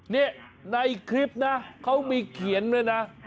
นี่ในคลิปนะเขามีเขียนด้วยนะ